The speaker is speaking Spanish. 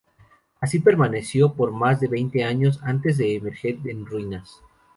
Así permaneció por más de veinte años, antes de emerger en ruinas.